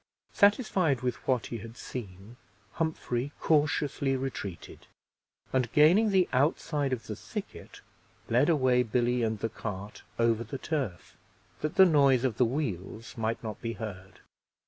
Satisfied with what he had seen, Humphrey cautiously retreated, and, gaining the outside of the thicket, led away Billy and the cart over the turf, that the noise of the wheels might not be heard.